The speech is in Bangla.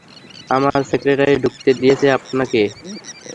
আমার সেক্রেটারি ঢুকতে দিয়েছে আপনাকে।